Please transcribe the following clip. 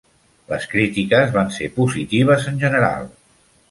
Les crítiques van ser positives en general.